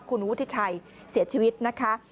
คุณวุฒิชัยเสียชีวิตนะคะ